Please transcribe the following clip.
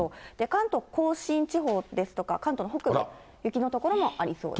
関東甲信地方ですとか、関東の北部、雪の所もありそうです。